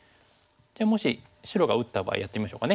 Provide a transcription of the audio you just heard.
もし白が打った場合やってみましょうかね。